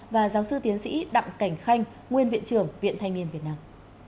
và giáo sư tiến sĩ đặng cảnh khanh nguyên viện trưởng viện thanh niên việt nam